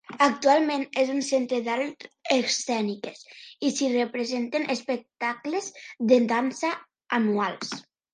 Actualment és un centre d'arts escèniques i s'hi representen espectacles de dansa anuals.